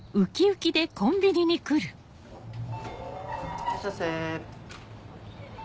いらっしゃいませ。